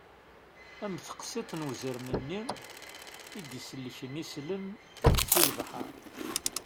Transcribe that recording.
Am teqsiṭ n wezrem-nni i d-isellken islem seg lebḥer.